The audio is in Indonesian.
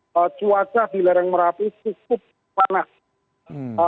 jadi cuaca di lereng merapi cukup panas